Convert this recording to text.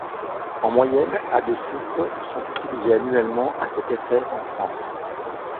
En moyenne, à de sucre sont utilisées annuellement à cet effet en France.